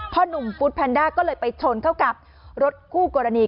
หนุ่มฟุตแพนด้าก็เลยไปชนเข้ากับรถคู่กรณี